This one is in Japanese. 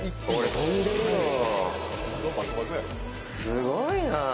すごいなぁ。